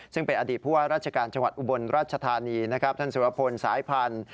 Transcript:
ซึ่งเป็นอดีตผู้ว่าราชการจังหวัดอุบลราชธานีนะครับท่านสุรพลสายพันธุ์